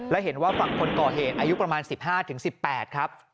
และเห็นว่าฝั่งคนก่อเหตุอายุประมาณ๑๕๑๘ครับ